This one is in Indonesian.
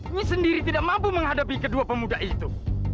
ini sendiri tidak mampu menghadapi kedua pemuda itu